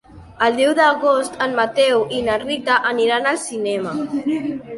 El deu d'agost en Mateu i na Rita aniran al cinema.